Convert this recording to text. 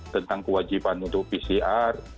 tentang kewajiban untuk pcr